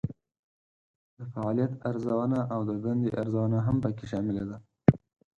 د فعالیت ارزونه او د دندې ارزونه هم پکې شامله ده.